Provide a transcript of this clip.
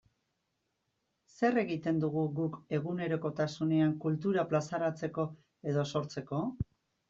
Zer egiten dugu guk egunerokotasunean kultura plazaratzeko edo sortzeko?